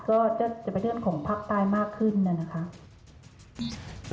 ก็จะไปเรื่องของภาคใต้มากขึ้น